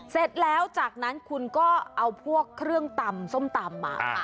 เสร็จแล้วจากนั้นคุณก็เอาพวกเครื่องตำส้มตำมา